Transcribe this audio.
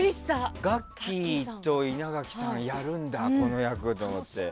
ガッキーと稲垣さんがやるんだこの役と思って。